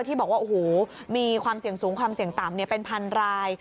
ที่บอกว่าโอ้โหมีความเสี่ยงสูงความเสี่ยงต่ำเป็นพันราย